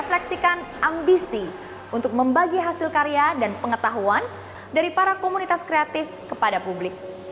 refleksikan ambisi untuk membagi hasil karya dan pengetahuan dari para komunitas kreatif kepada publik